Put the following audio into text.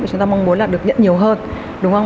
và chúng ta mong muốn là được nhận nhiều hơn đúng không